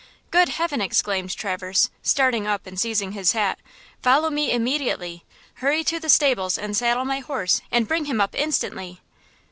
"Good heaven!" exclaimed Traverse, starting up and seizing his hat. "Follow me immediately! Hurry to the stables and saddle my horse and bring him up instantly!